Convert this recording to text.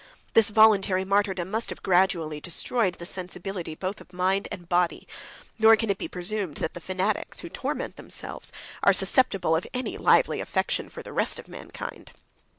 This voluntary martyrdom must have gradually destroyed the sensibility both of the mind and body; nor can it be presumed that the fanatics, who torment themselves, are susceptible of any lively affection for the rest of mankind.